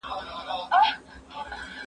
هغه وويل چي ځواب سم دی!.